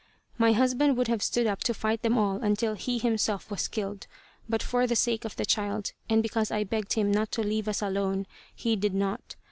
My husband would have stood up to fight them all until he himself was killed, but for the sake of the child, and because I begged him not to leave us alone, he did not.